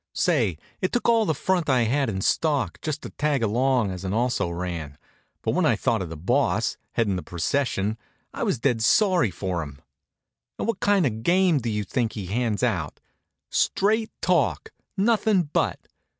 Say, it took all the front I had in stock just to tag along as an also ran, but when I thought of the Boss, headin' the procession, I was dead sorry for him. And what kind of a game do you think he hands out? Straight talk, nothin' but!